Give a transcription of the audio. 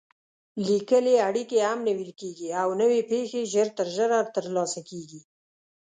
لیکلې اړیکې هم نیول کېږي او نوې پېښې ژر تر ژره ترلاسه کېږي.